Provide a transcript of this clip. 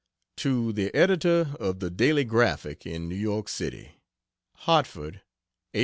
To the Editor of "The Daily Graphic," in New York City: HARTFORD, Apl.